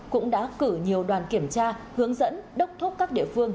cũng đã cử nhiều đoàn kiểm tra hướng dẫn đốc thúc các địa phương